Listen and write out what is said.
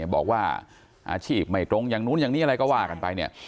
บอกว่าอาชีพไม่ตรงอย่างนู้นอย่างนี้อะไรก็ว่ากันไปเนี่ย